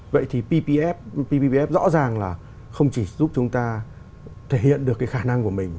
vậy thì ppf pvf rõ ràng là không chỉ giúp chúng ta thể hiện được cái khả năng của mình